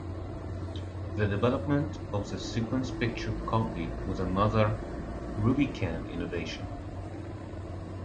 The development of the "sequence-picture copy" was another Rubicam innovation.